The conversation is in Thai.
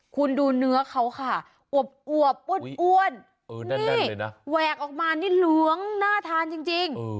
คุณดูเนื้อเขาค่ะแหวกออกมาหน้าทานจริง